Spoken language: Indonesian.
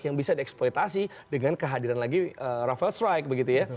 yang bisa dieksploitasi dengan kehadiran lagi rafael strike begitu ya